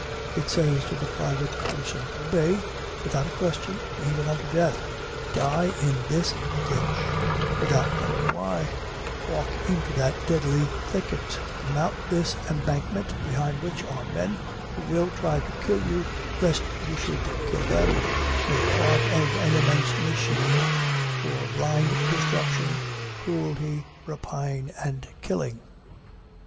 It says to the private person: "Obey without a question, even unto death; die in this ditch, without knowing why; walk into that deadly thicket; mount this embankment, behind which are men who will try to kill you, lest you should kill them; make part of an immense machine for blind destruction, cruelty, rapine, and killing."